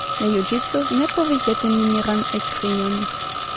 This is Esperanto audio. La juĝisto ne povis deteni miran ekkrion.